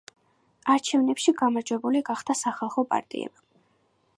არჩევნებში გამარჯვებული გახდა სახალხო პარტია.